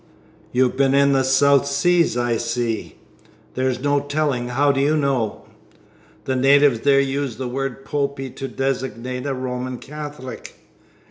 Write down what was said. You've been in the South Seas, I see." "There's no telling. How do you know?" "The natives there use the word Popey to designate a Roman Catholic."